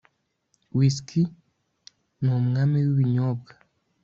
whisky ni umwami wibinyobwa